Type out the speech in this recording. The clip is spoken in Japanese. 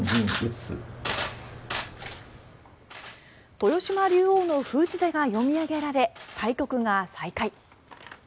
豊島竜王の封じ手が読み上げられ対局が再開。